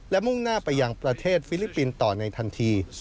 และมุ่งหน้าไปยังประเทศฟิลิปปินส์ต่อในทันที